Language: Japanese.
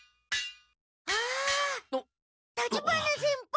あ立花先輩